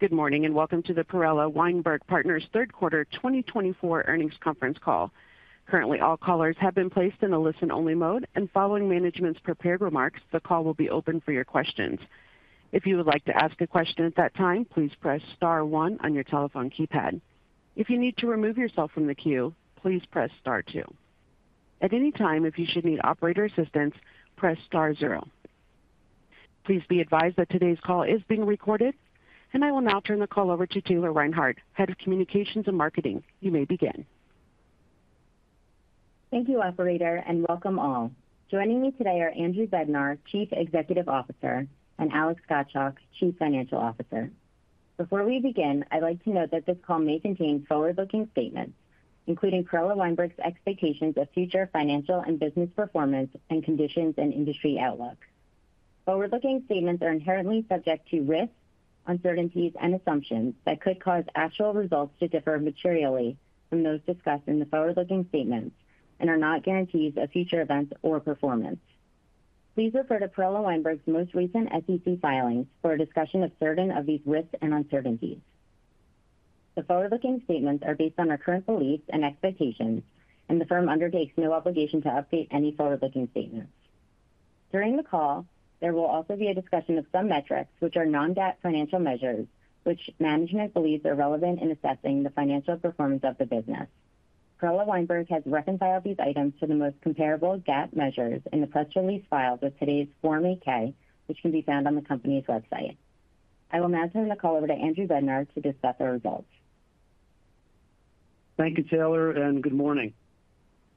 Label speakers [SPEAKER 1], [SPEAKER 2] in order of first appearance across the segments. [SPEAKER 1] Good morning and welcome to the Perella Weinberg Partners third quarter 2024 earnings conference call. Currently, all callers have been placed in the listen-only mode, and following management's prepared remarks, the call will be open for your questions. If you would like to ask a question at that time, please press star one on your telephone keypad. If you need to remove yourself from the queue, please press star two. At any time, if you should need operator assistance, press star zero. Please be advised that today's call is being recorded, and I will now turn the call over to Taylor Reinhardt, Head of Communications and Marketing. You may begin.
[SPEAKER 2] Thank you, operator, and welcome all. Joining me today are Andrew Bednar, Chief Executive Officer, and Alex Gottschalk, Chief Financial Officer. Before we begin, I'd like to note that this call may contain forward-looking statements, including Perella Weinberg's expectations of future financial and business performance and conditions and industry outlook. Forward-looking statements are inherently subject to risks, uncertainties, and assumptions that could cause actual results to differ materially from those discussed in the forward-looking statements and are not guarantees of future events or performance. Please refer to Perella Weinberg's most recent SEC filings for a discussion of certain of these risks and uncertainties. The forward-looking statements are based on our current beliefs and expectations, and the firm undertakes no obligation to update any forward-looking statements. During the call, there will also be a discussion of some metrics, which are non-GAAP financial measures, which management believes are relevant in assessing the financial performance of the business. Perella Weinberg has reconciled these items to the most comparable GAAP measures in the press release filed with today's Form 8-K, which can be found on the company's website. I will now turn the call over to Andrew Bednar to discuss our results.
[SPEAKER 3] Thank you, Taylor, and good morning.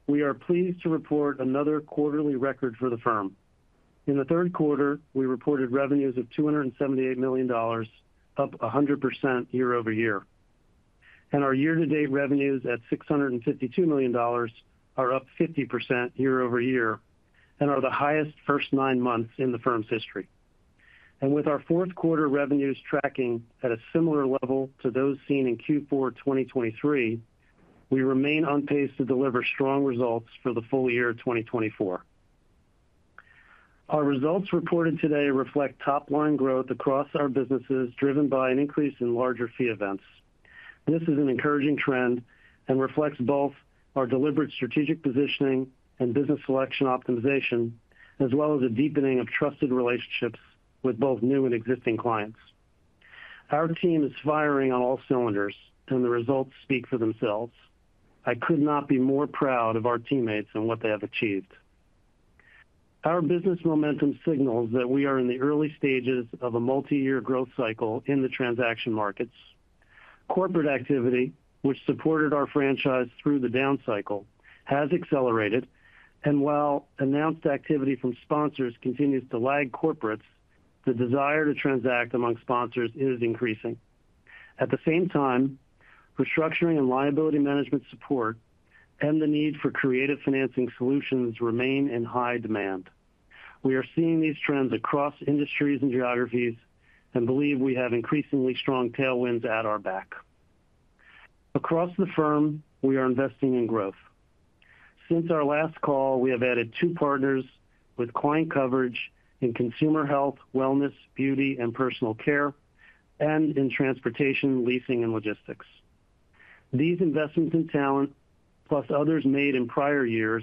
[SPEAKER 3] We are pleased to report another quarterly record for the firm. In the third quarter, we reported revenues of $278 million, up 100% year over year. Our year-to-date revenues at $652 million are up 50% year over year and are the highest first nine months in the firm's history. With our fourth quarter revenues tracking at a similar level to those seen in Q4 2023, we remain on pace to deliver strong results for the full year 2024. Our results reported today reflect top-line growth across our businesses, driven by an increase in larger fee events. This is an encouraging trend and reflects both our deliberate strategic positioning and business selection optimization, as well as a deepening of trusted relationships with both new and existing clients. Our team is firing on all cylinders, and the results speak for themselves. I could not be more proud of our teammates and what they have achieved. Our business momentum signals that we are in the early stages of a multi-year growth cycle in the transaction markets. Corporate activity, which supported our franchise through the down cycle, has accelerated, and while announced activity from sponsors continues to lag corporates, the desire to transact among sponsors is increasing. At the same time, restructuring and liability management support and the need for creative financing solutions remain in high demand. We are seeing these trends across industries and geographies and believe we have increasingly strong tailwinds at our back. Across the firm, we are investing in growth. Since our last call, we have added two partners with client coverage in consumer health, wellness, beauty, and personal care, and in transportation, leasing, and logistics. These investments in talent, plus others made in prior years,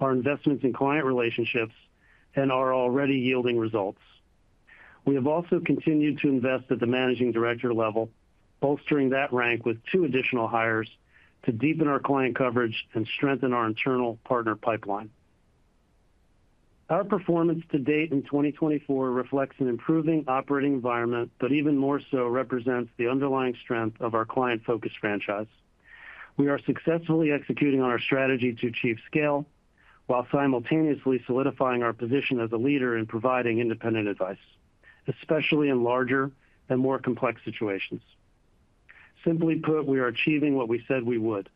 [SPEAKER 3] are investments in client relationships and are already yielding results. We have also continued to invest at the managing director level, bolstering that rank with two additional hires to deepen our client coverage and strengthen our internal partner pipeline. Our performance to date in 2024 reflects an improving operating environment, but even more so represents the underlying strength of our client-focused franchise. We are successfully executing on our strategy to achieve scale while simultaneously solidifying our position as a leader in providing independent advice, especially in larger and more complex situations. Simply put, we are achieving what we said we would,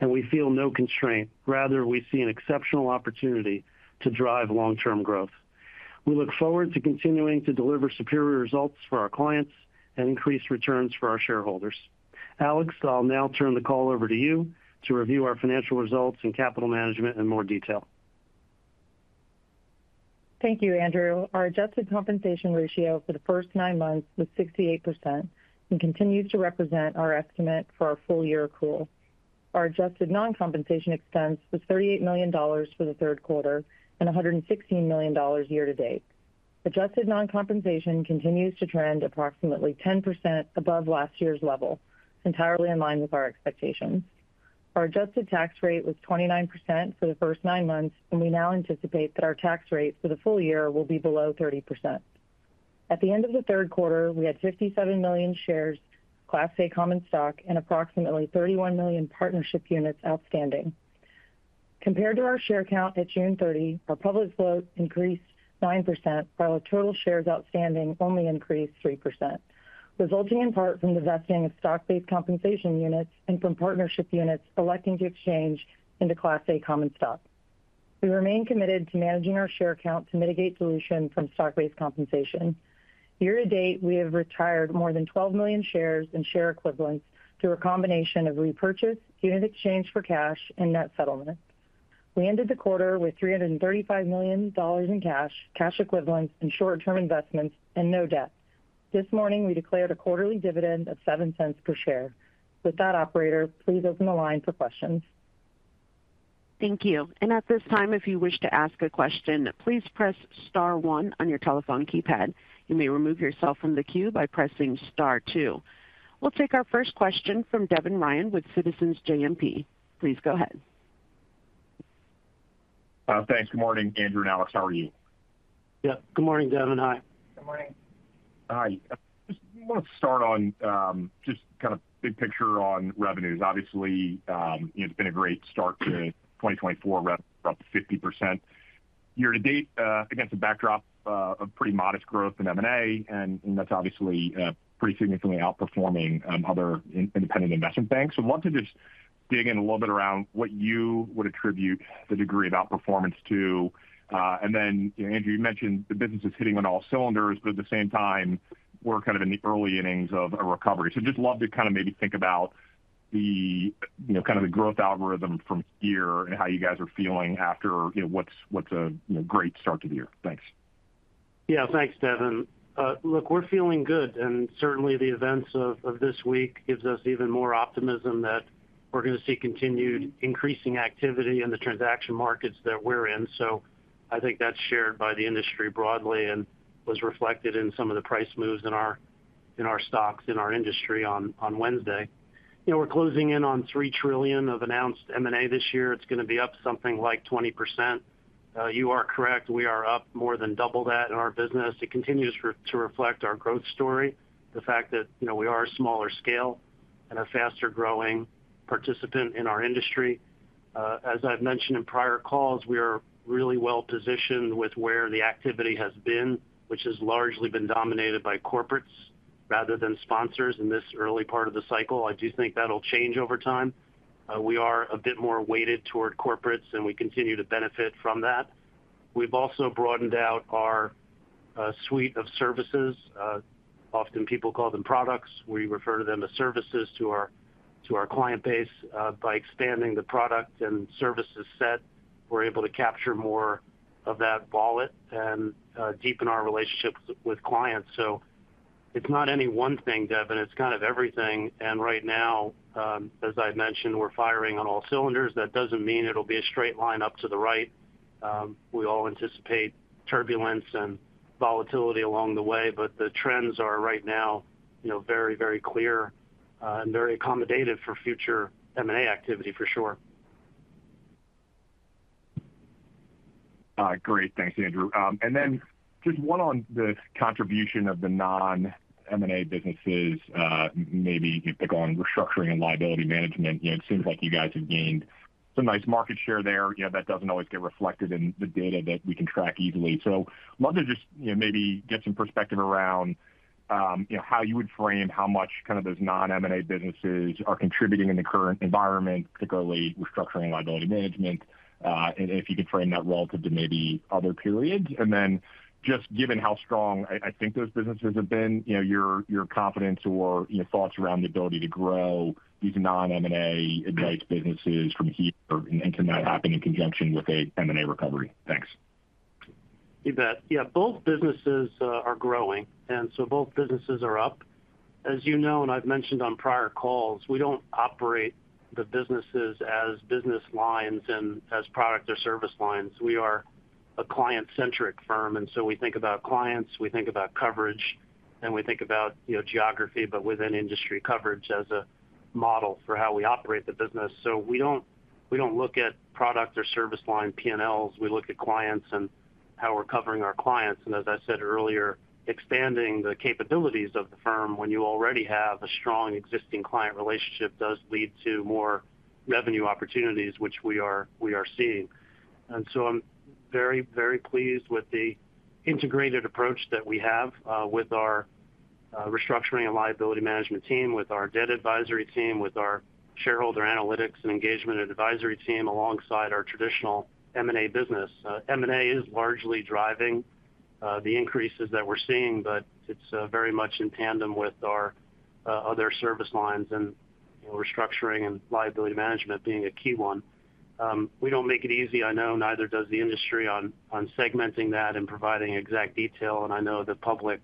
[SPEAKER 3] and we feel no constraint. Rather, we see an exceptional opportunity to drive long-term growth. We look forward to continuing to deliver superior results for our clients and increased returns for our shareholders. Alex, I'll now turn the call over to you to review our financial results and capital management in more detail.
[SPEAKER 4] Thank you, Andrew. Our adjusted compensation ratio for the first nine months was 68% and continues to represent our estimate for our full-year accrual. Our adjusted non-compensation expense was $38 million for the third quarter and $116 million year-to-date. Adjusted non-compensation continues to trend approximately 10% above last year's level, entirely in line with our expectations. Our adjusted tax rate was 29% for the first nine months, and we now anticipate that our tax rate for the full year will be below 30%. At the end of the third quarter, we had 57 million shares, Class A Common Stock, and approximately 31 million partnership units outstanding. Compared to our share count at June 30, our public float increased 9%, while our total shares outstanding only increased 3%, resulting in part from the vesting of stock-based compensation units and from partnership units electing to exchange into Class A Common Stock. We remain committed to managing our share count to mitigate dilution from stock-based compensation. Year-to-date, we have retired more than 12 million shares and share equivalents through a combination of repurchase, unit exchange for cash, and net settlement. We ended the quarter with $335 million in cash, cash equivalents, and short-term investments, and no debt. This morning, we declared a quarterly dividend of $0.07 per share. With that, operator, please open the line for questions.
[SPEAKER 1] Thank you, and at this time, if you wish to ask a question, please press star one on your telephone keypad. You may remove yourself from the queue by pressing star two. We'll take our first question from Devin Ryan with Citizens JMP. Please go ahead.
[SPEAKER 5] Thanks. Good morning, Andrew and Alex. How are you?
[SPEAKER 3] Yep. Good morning, Devin. Hi.
[SPEAKER 4] Good morning.
[SPEAKER 5] Hi. I just want to start on just kind of big picture on revenues. Obviously, it's been a great start to 2024, up 50% year-to-date against a backdrop of pretty modest growth in M&A, and that's obviously pretty significantly outperforming other independent investment banks. I'd love to just dig in a little bit around what you would attribute the degree of outperformance to. And then, Andrew, you mentioned the business is hitting on all cylinders, but at the same time, we're kind of in the early innings of a recovery. So just love to kind of maybe think about the kind of the growth algorithm from here and how you guys are feeling after what's a great start to the year. Thanks.
[SPEAKER 3] Yeah, thanks, Devin. Look, we're feeling good, and certainly the events of this week give us even more optimism that we're going to see continued increasing activity in the transaction markets that we're in, so I think that's shared by the industry broadly and was reflected in some of the price moves in our stocks in our industry on Wednesday. We're closing in on $3 trillion of announced M&A this year. It's going to be up something like 20%. You are correct. We are up more than double that in our business. It continues to reflect our growth story, the fact that we are a smaller scale and a faster-growing participant in our industry. As I've mentioned in prior calls, we are really well-positioned with where the activity has been, which has largely been dominated by corporates rather than sponsors in this early part of the cycle. I do think that'll change over time. We are a bit more weighted toward corporates, and we continue to benefit from that. We've also broadened out our suite of services. Often people call them products. We refer to them as services to our client base. By expanding the product and services set, we're able to capture more of that wallet and deepen our relationship with clients. So it's not any one thing, Devin. It's kind of everything. And right now, as I mentioned, we're firing on all cylinders. That doesn't mean it'll be a straight line up to the right. We all anticipate turbulence and volatility along the way, but the trends are right now very, very clear and very accommodative for future M&A activity, for sure.
[SPEAKER 5] Great. Thanks, Andrew. And then just one on the contribution of the non-M&A businesses, maybe you pick on restructuring and liability management. It seems like you guys have gained some nice market share there that doesn't always get reflected in the data that we can track easily. So I'd love to just maybe get some perspective around how you would frame how much kind of those non-M&A businesses are contributing in the current environment, particularly restructuring and liability management, and if you could frame that relative to maybe other periods. And then just given how strong I think those businesses have been, your confidence or thoughts around the ability to grow these non-M&A-advised businesses from here, and can that happen in conjunction with an M&A recovery? Thanks.
[SPEAKER 3] You bet. Yeah, both businesses are growing, and so both businesses are up. As you know, and I've mentioned on prior calls, we don't operate the businesses as business lines and as product or service lines. We are a client-centric firm, and so we think about clients, we think about coverage, and we think about geography, but within industry coverage as a model for how we operate the business. So we don't look at product or service line P&Ls. We look at clients and how we're covering our clients. And as I said earlier, expanding the capabilities of the firm when you already have a strong existing client relationship does lead to more revenue opportunities, which we are seeing. And so I'm very, very pleased with the integrated approach that we have with our restructuring and liability management team, with our debt advisory team, with our shareholder analytics and engagement advisory team alongside our traditional M&A business. M&A is largely driving the increases that we're seeing, but it's very much in tandem with our other service lines and restructuring and liability management being a key one. We don't make it easy. I know neither does the industry on segmenting that and providing exact detail. And I know the public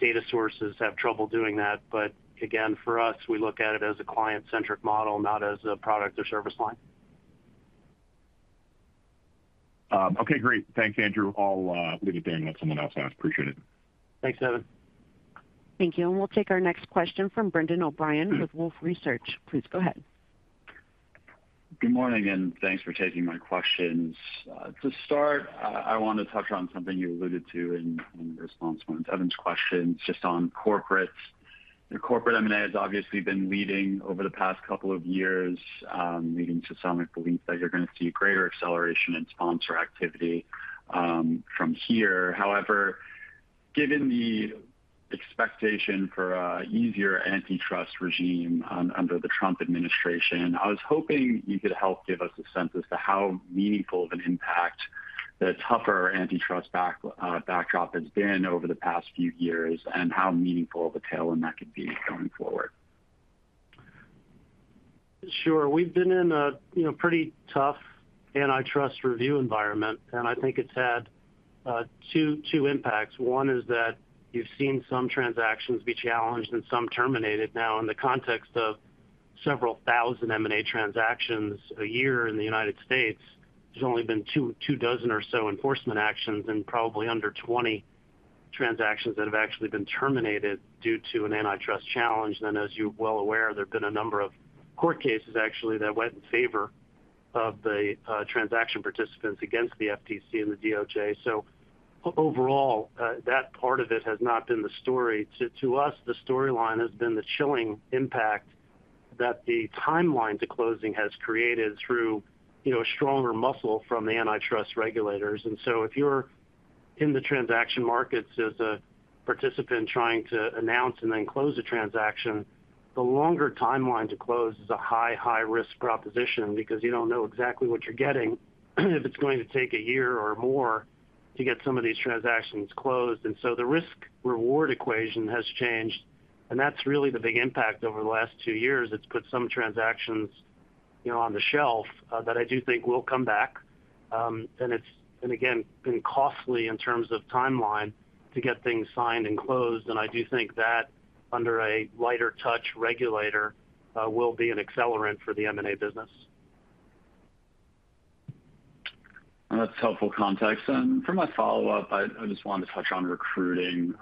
[SPEAKER 3] data sources have trouble doing that. But again, for us, we look at it as a client-centric model, not as a product or service line.
[SPEAKER 5] Okay, great. Thanks, Andrew. I'll leave it there and let someone else ask. Appreciate it.
[SPEAKER 3] Thanks, Devin.
[SPEAKER 1] Thank you. And we'll take our next question from Brendan O'Brien with Wolfe Research. Please go ahead.
[SPEAKER 6] Good morning and thanks for taking my questions. To start, I want to touch on something you alluded to in response to Devin's questions just on corporates. The corporate M&A has obviously been leading over the past couple of years, leading to some belief that you're going to see greater acceleration in sponsor activity from here. However, given the expectation for an easier antitrust regime under the Trump administration, I was hoping you could help give us a sense as to how meaningful of an impact the tougher antitrust backdrop has been over the past few years and how meaningful of a tailwind that could be going forward.
[SPEAKER 3] Sure. We've been in a pretty tough antitrust review environment, and I think it's had two impacts. One is that you've seen some transactions be challenged and some terminated. Now, in the context of several thousand M&A transactions a year in the United States, there's only been two dozen or so enforcement actions and probably under 20 transactions that have actually been terminated due to an antitrust challenge. And as you're well aware, there have been a number of court cases actually that went in favor of the transaction participants against the FTC and the DOJ. So overall, that part of it has not been the story. To us, the storyline has been the chilling impact that the timeline to closing has created through a stronger muscle from the antitrust regulators. And so if you're in the transaction markets as a participant trying to announce and then close a transaction, the longer timeline to close is a high, high-risk proposition because you don't know exactly what you're getting if it's going to take a year or more to get some of these transactions closed. And so the risk-reward equation has changed, and that's really the big impact over the last two years. It's put some transactions on the shelf that I do think will come back. And it's, again, been costly in terms of timeline to get things signed and closed. And I do think that under a lighter-touch regulator will be an accelerant for the M&A business.
[SPEAKER 6] That's helpful context. And for my follow-up, I just wanted to touch on recruiting.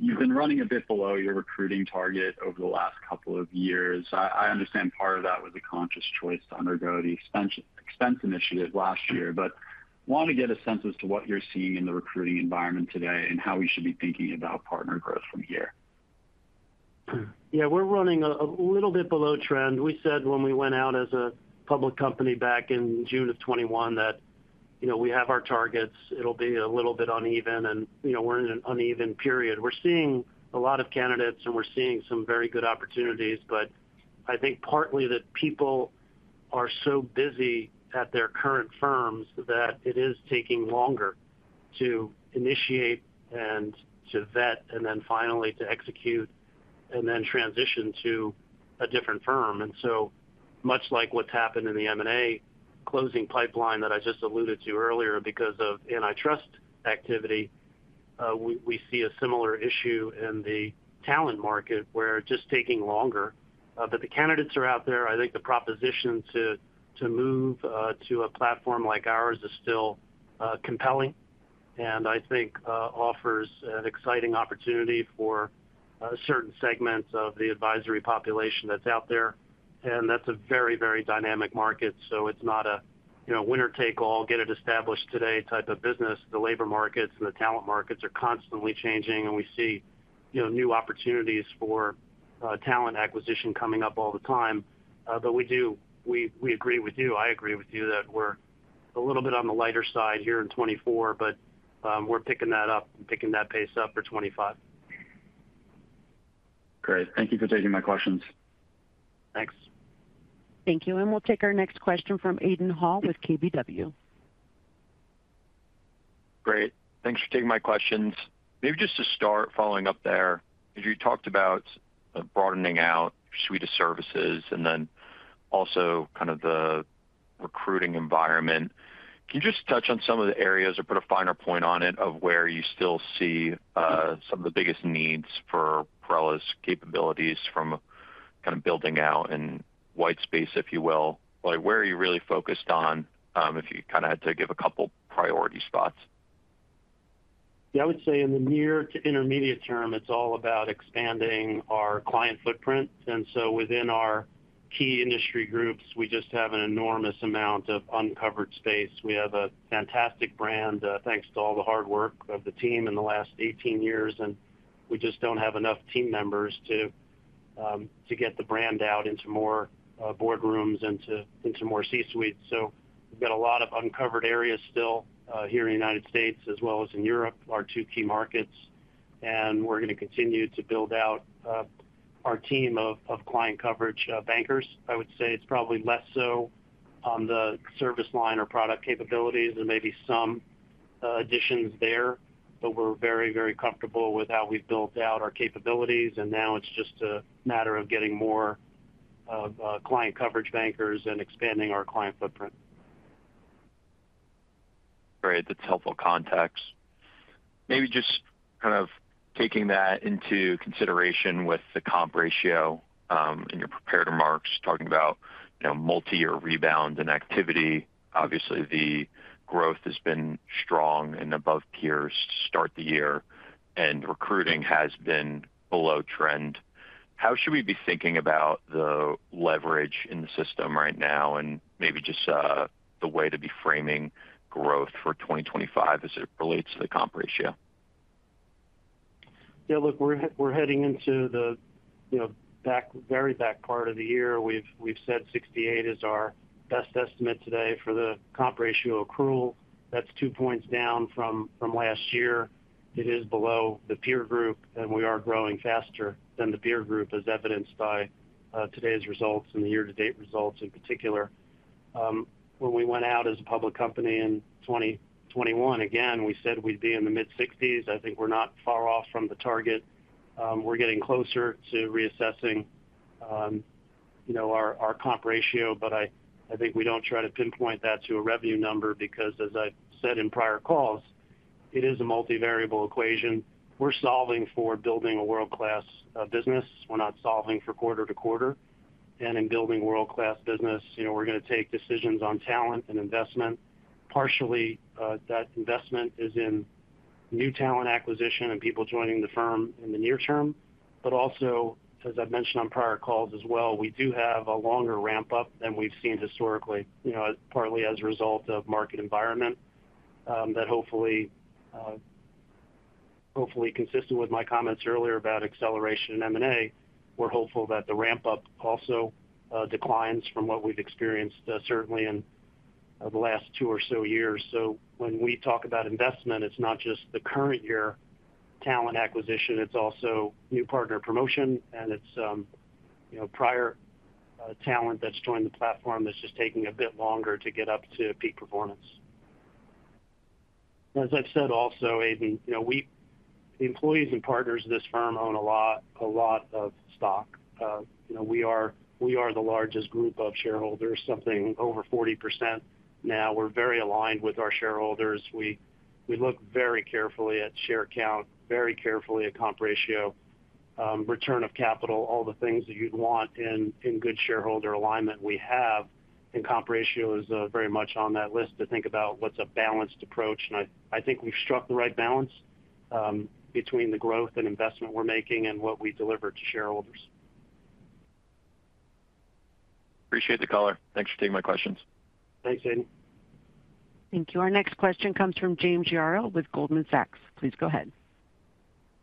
[SPEAKER 6] You've been running a bit below your recruiting target over the last couple of years. I understand part of that was a conscious choice to undergo the expense initiative last year, but I want to get a sense as to what you're seeing in the recruiting environment today and how we should be thinking about partner growth from here.
[SPEAKER 3] Yeah, we're running a little bit below trend. We said when we went out as a public company back in June of 2021 that we have our targets. It'll be a little bit uneven, and we're in an uneven period. We're seeing a lot of candidates, and we're seeing some very good opportunities, but I think partly that people are so busy at their current firms that it is taking longer to initiate and to vet and then finally to execute and then transition to a different firm. And so much like what's happened in the M&A closing pipeline that I just alluded to earlier because of antitrust activity, we see a similar issue in the talent market where it's just taking longer. But the candidates are out there. I think the proposition to move to a platform like ours is still compelling, and I think offers an exciting opportunity for certain segments of the advisory population that's out there. And that's a very, very dynamic market. So it's not a winner-take-all, get it established today type of business. The labor markets and the talent markets are constantly changing, and we see new opportunities for talent acquisition coming up all the time. But we agree with you. I agree with you that we're a little bit on the lighter side here in 2024, but we're picking that up and picking that pace up for 2025.
[SPEAKER 6] Great. Thank you for taking my questions.
[SPEAKER 3] Thanks.
[SPEAKER 1] Thank you. And we'll take our next question from Aidan Hall with KBW.
[SPEAKER 7] Great. Thanks for taking my questions. Maybe just to start following up there, you talked about broadening out your suite of services and then also kind of the recruiting environment. Can you just touch on some of the areas or put a finer point on it of where you still see some of the biggest needs for Perella's capabilities from kind of building out in white space, if you will? Where are you really focused on if you kind of had to give a couple of priority spots?
[SPEAKER 3] Yeah, I would say in the near to intermediate term, it's all about expanding our client footprint, and so within our key industry groups, we just have an enormous amount of uncovered space. We have a fantastic brand thanks to all the hard work of the team in the last 18 years, and we just don't have enough team members to get the brand out into more boardrooms and to more C-suites, so we've got a lot of uncovered areas still here in the United States as well as in Europe, our two key markets, and we're going to continue to build out our team of client coverage bankers. I would say it's probably less so on the service line or product capabilities. There may be some additions there, but we're very, very comfortable with how we've built out our capabilities, and now it's just a matter of getting more client coverage bankers and expanding our client footprint.
[SPEAKER 7] Great. That's helpful context. Maybe just kind of taking that into consideration with the comp ratio in your prepared remarks, talking about multi-year rebound and activity. Obviously, the growth has been strong and above peers to start the year, and recruiting has been below trend. How should we be thinking about the leverage in the system right now and maybe just the way to be framing growth for 2025 as it relates to the comp ratio?
[SPEAKER 3] Yeah, look, we're heading into the very back part of the year. We've said 68 is our best estimate today for the comp ratio accrual. That's two points down from last year. It is below the peer group, and we are growing faster than the peer group, as evidenced by today's results and the year-to-date results in particular. When we went out as a public company in 2021, again, we said we'd be in the mid-60s. I think we're not far off from the target. We're getting closer to reassessing our comp ratio, but I think we don't try to pinpoint that to a revenue number because, as I've said in prior calls, it is a multivariable equation. We're solving for building a world-class business. We're not solving for quarter to quarter, and in building a world-class business, we're going to take decisions on talent and investment. Partially, that investment is in new talent acquisition and people joining the firm in the near term. But also, as I've mentioned on prior calls as well, we do have a longer ramp-up than we've seen historically, partly as a result of the market environment. Hopefully, consistent with my comments earlier about acceleration in M&A, we're hopeful that the ramp-up also declines from what we've experienced, certainly in the last two or so years. So when we talk about investment, it's not just the current year talent acquisition. It's also new partner promotion, and it's prior talent that's joined the platform that's just taking a bit longer to get up to peak performance. As I've said also, Aidan, the employees and partners of this firm own a lot of stock. We are the largest group of shareholders, something over 40% now. We're very aligned with our shareholders. We look very carefully at share count, very carefully at comp ratio, return of capital, all the things that you'd want in good shareholder alignment. We have, and comp ratio is very much on that list to think about what's a balanced approach. And I think we've struck the right balance between the growth and investment we're making and what we deliver to shareholders.
[SPEAKER 7] Appreciate the color. Thanks for taking my questions.
[SPEAKER 3] Thanks, Aidan.
[SPEAKER 1] Thank you. Our next question comes from James Yaro with Goldman Sachs. Please go ahead.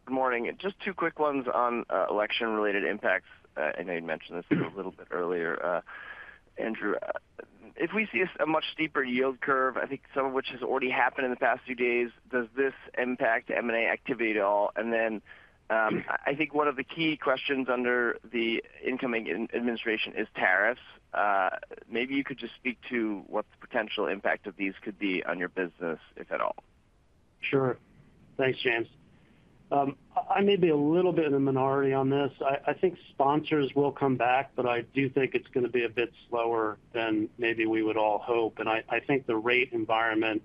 [SPEAKER 8] Good morning. Just two quick ones on election-related impacts. I know you'd mentioned this a little bit earlier. Andrew, if we see a much steeper yield curve, I think some of which has already happened in the past few days, does this impact M&A activity at all? And then I think one of the key questions under the incoming administration is tariffs. Maybe you could just speak to what the potential impact of these could be on your business, if at all.
[SPEAKER 3] Sure. Thanks, James. I may be a little bit of a minority on this. I think sponsors will come back, but I do think it's going to be a bit slower than maybe we would all hope, and I think the rate environment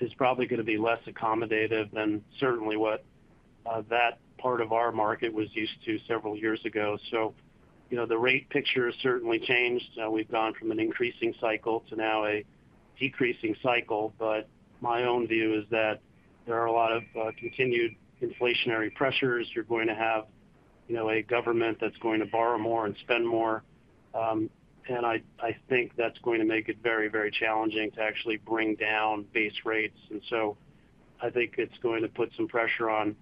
[SPEAKER 3] is probably going to be less accommodative than certainly what that part of our market was used to several years ago, so the rate picture has certainly changed. We've gone from an increasing cycle to now a decreasing cycle, but my own view is that there are a lot of continued inflationary pressures. You're going to have a government that's going to borrow more and spend more, and I think that's going to make it very, very challenging to actually bring down base rates. And so I think it's going to put some pressure on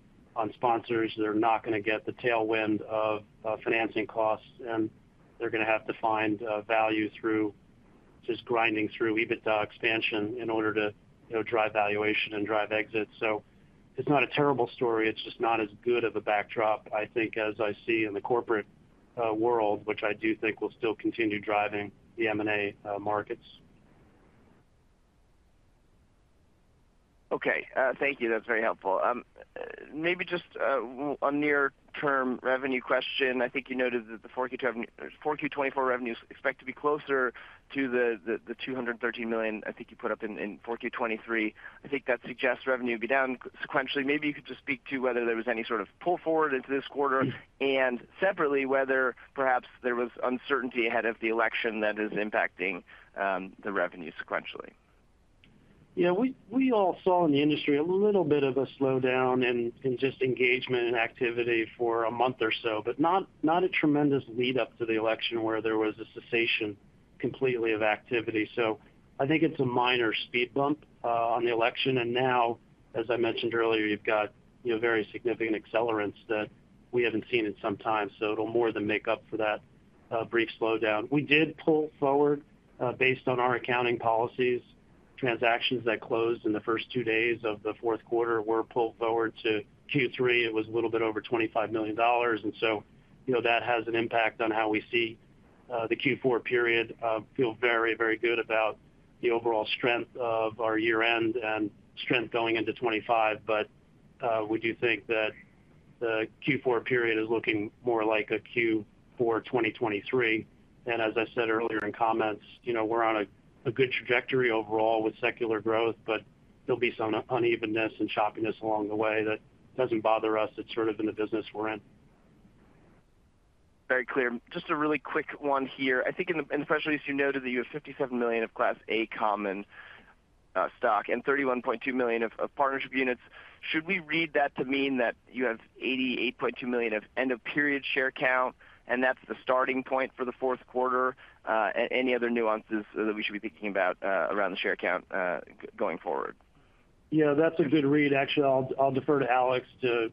[SPEAKER 3] sponsors that are not going to get the tailwind of financing costs, and they're going to have to find value through just grinding through EBITDA expansion in order to drive valuation and drive exits. So it's not a terrible story. It's just not as good of a backdrop, I think, as I see in the corporate world, which I do think will still continue driving the M&A markets.
[SPEAKER 8] Okay. Thank you. That's very helpful. Maybe just a near-term revenue question. I think you noted that the Q4 2024 revenues expect to be closer to the $213 million I think you put up in 2023. I think that suggests revenue would be down sequentially. Maybe you could just speak to whether there was any sort of pull forward into this quarter and separately whether perhaps there was uncertainty ahead of the election that is impacting the revenue sequentially?
[SPEAKER 3] Yeah. We all saw in the industry a little bit of a slowdown in just engagement and activity for a month or so, but not a tremendous lead-up to the election where there was a cessation completely of activity. So I think it's a minor speed bump on the election. And now, as I mentioned earlier, you've got very significant accelerants that we haven't seen in some time. So it'll more than make up for that brief slowdown. We did pull forward based on our accounting policies. Transactions that closed in the first two days of the fourth quarter were pulled forward to Q3. It was a little bit over $25 million. And so that has an impact on how we see the Q4 period. I feel very, very good about the overall strength of our year-end and strength going into 2025. But we do think that the Q4 period is looking more like a Q4 2023. And as I said earlier in comments, we're on a good trajectory overall with secular growth, but there'll be some unevenness and choppiness along the way that doesn't bother us. It's sort of in the business we're in.
[SPEAKER 8] Very clear. Just a really quick one here. I think in the press release, you noted that you have 57 million of Class A common stock and 31.2 million of partnership units. Should we read that to mean that you have 88.2 million of end-of-period share count, and that's the starting point for the fourth quarter? Any other nuances that we should be thinking about around the share count going forward?
[SPEAKER 3] Yeah, that's a good read. Actually, I'll defer to Alex to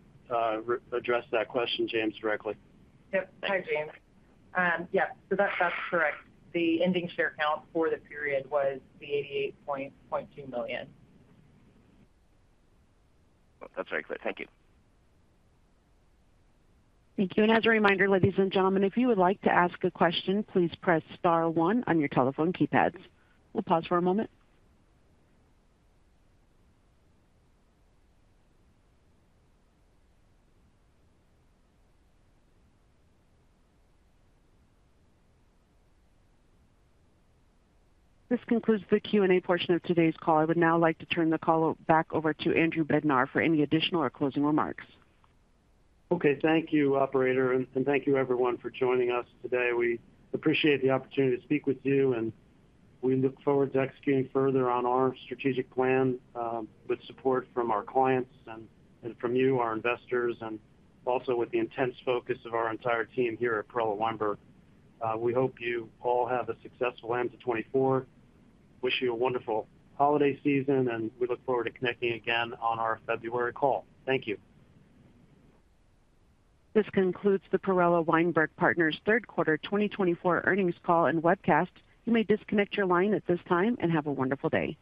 [SPEAKER 3] address that question, James, directly.
[SPEAKER 4] Yep. Hi, James. Yep. So that's correct. The ending share count for the period was the 88.2 million.
[SPEAKER 8] That's very clear. Thank you.
[SPEAKER 1] Thank you. And as a reminder, ladies and gentlemen, if you would like to ask a question, please press star one on your telephone keypads. We'll pause for a moment. This concludes the Q&A portion of today's call. I would now like to turn the call back over to Andrew Bednar for any additional or closing remarks.
[SPEAKER 3] Okay. Thank you, Operator, and thank you, everyone, for joining us today. We appreciate the opportunity to speak with you, and we look forward to executing further on our strategic plan with support from our clients and from you, our investors, and also with the intense focus of our entire team here at Perella Weinberg. We hope you all have a successful end to 2024. Wish you a wonderful holiday season, and we look forward to connecting again on our February call. Thank you.
[SPEAKER 1] This concludes the Perella Weinberg Partners' third quarter 2024 earnings call and webcast. You may disconnect your line at this time and have a wonderful day.